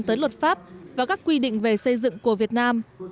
tới luật pháp và các quy định về xây dựng của việt nam